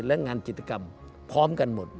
และงานจิตกรรมพร้อมกันหมด